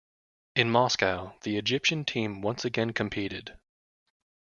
In Moscow, the Egyptian team once again competed.